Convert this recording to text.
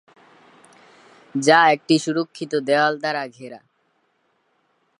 যা একটি সুরক্ষিত দেয়াল দ্বারা ঘেরা।